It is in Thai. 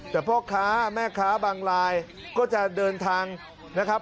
แต่พ่อค้าแม่ค้าบางรายก็จะเดินทางนะครับ